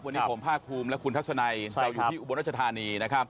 วันนี้ผมภาคภูมิและคุณทัศนัยเราอยู่ที่อุบลรัชธานีนะครับ